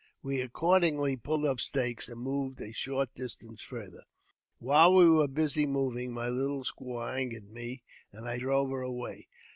We acco: dingly pulled up stakes and moved a short distance farther. While we were busy moving, my little squaw angered mi and I drove her away.